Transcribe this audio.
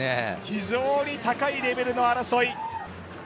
非常に高いレベルの争い。